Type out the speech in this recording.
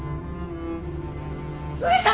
上様！